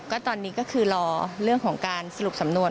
ก็ตอนนี้ก็คือรอเรื่องของการสรุปสำนวน